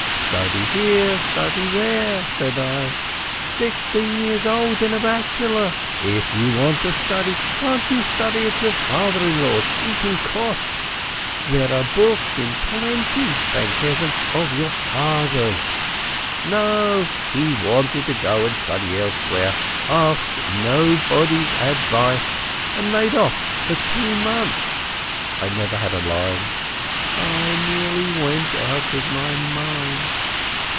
'Study here, study there,' said I, 'sixteen years old and a bachelor! If you want to study, can't you study at your father in law's, eating Kb'st? There are books in plenty, thank Heaven, of your father's.' No, no, he wanted to go and study elsewhere, asked nobody's advice, and made off, and for two months I never had a line. I nearly went out of my mind.